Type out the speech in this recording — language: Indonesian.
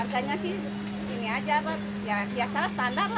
harganya sih ini aja bu ya biasanya standar lah